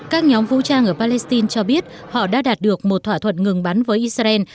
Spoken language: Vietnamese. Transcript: các nhóm vũ trang ở palestine cho biết họ đã đạt được một thỏa thuận ngừng bắn với israel